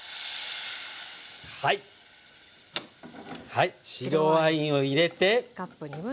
はい白ワインを入れて。